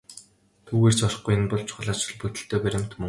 Түүгээр ч барахгүй энэ бол чухал ач холбогдолтой баримт мөн.